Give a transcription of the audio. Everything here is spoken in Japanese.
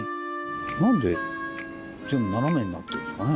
何で全部ナナメになってんですかね？